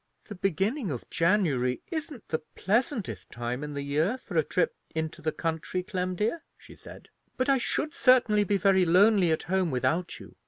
"The beginning of January isn't the pleasantest time in the year for a trip into the country, Clem, dear," she said; "but I should certainly be very lonely at home without you.